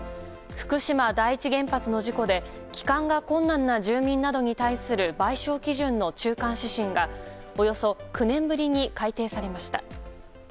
福島第一原発の事故で帰還が困難な住民などに対する賠償基準の中間指針がおよそ９年ぶりに改訂されました。